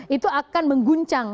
itu akan mengguncang